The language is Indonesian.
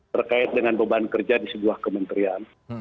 terkait dengan beban kerja di sebuah kementerian